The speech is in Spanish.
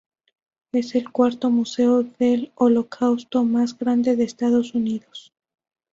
Es el cuarto museo del holocausto mas grande de Estados unidos.